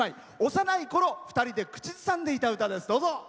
幼いころ２人で口ずさんでいた歌です。